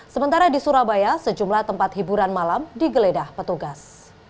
sementara di surabaya sejumlah tempat hiburan malam digeledah petugas